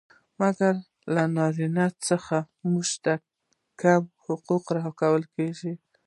مګر له نارينه څخه موږ ته کم حقوق را کول کيږي.